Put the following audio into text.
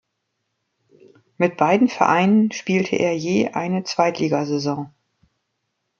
Mit beiden Vereinen spielte er je eine Zweitligasaison.